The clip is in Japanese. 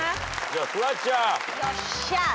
じゃあフワちゃん。